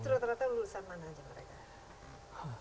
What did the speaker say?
terus rata rata lulusan mana aja mereka